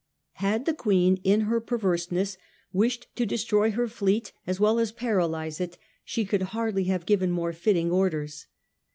Had the Queen in her perverseness wished to destroy her fleet as well as paralyse it she could hardly have given more fitting orders.